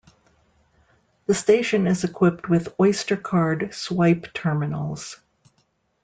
The station is equipped with Oyster card swipe terminals.